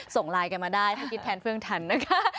ส่งไลน์กันมาได้ถ้าคิดแทนเฟื่องทันนะคะ